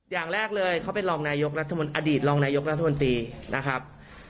อย่างแรกเลยเขาเป็นรองนายกรัฐมนตรีรองนายกรัฐมนตรีนะครับ